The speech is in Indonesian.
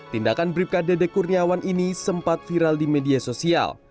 tindakan bribka dede kurniawan ini sempat viral di media sosial